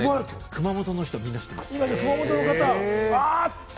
熊本の方はみんな知ってる。